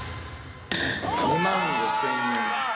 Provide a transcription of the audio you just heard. ２万５，０００円。